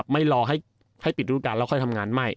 ไม่รอให้ปิดอุตการณ์แล้วทำงานไม่